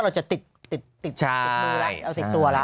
เราจะติดมือแล้ว